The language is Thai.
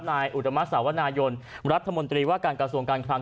อุตมัติสาวนายนรัฐมนตรีว่าการกระทรวงการคลัง